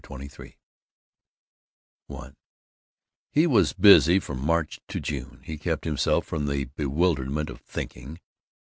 CHAPTER XXIII I He was busy, from March to June. He kept himself from the bewilderment of thinking.